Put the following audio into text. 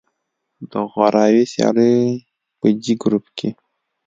د غوراوي سیالیو په جې ګروپ کې